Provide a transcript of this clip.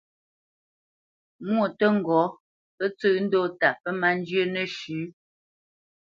Mwô tə́ ŋgɔ́, pə́ tsə́ ndɔ́ta pə́ má njyə́ nəshʉ̌.